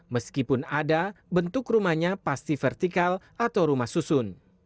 meskipun ada bentuk rumahnya pasti vertikal atau rumah susun